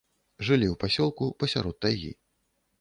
Жылі ў пасёлку, пасярод тайгі.